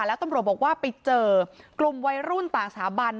แล้วตำรวจบอกว่าไปเจอกลุ่มวัยรุ่นต่างสถาบัน